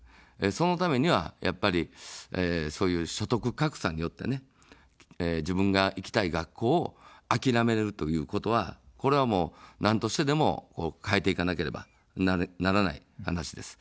そのためには、やっぱりそういう所得格差によって自分が行きたい学校を諦めるということは、これはもうなんとしてでも、変えていかなければならない話です。